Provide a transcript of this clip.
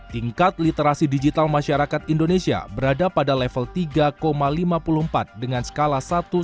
tingkat literasi digital masyarakat indonesia berada pada level tiga lima puluh empat dengan skala satu satu